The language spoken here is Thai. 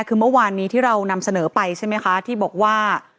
คือเมื่อวานนี้ที่เรานำเสนอไปใช่ไหมคะที่บอกว่า